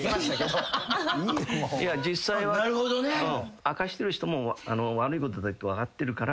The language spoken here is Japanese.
実際は明かしてる人も悪いことだって分かってるから。